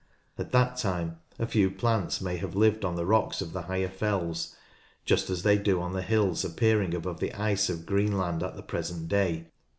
At that time a few plants may have lived on the rocks of the higher fells, just as they do on the hills appearing above the ice of Greenland at the present day.